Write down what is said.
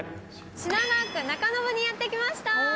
品川区中延にやって来ました。